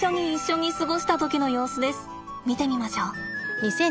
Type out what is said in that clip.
見てみましょう。